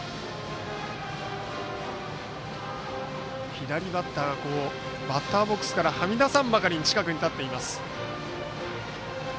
左バッターはバッターボックスからはみ出さんばかりに近くに立っています。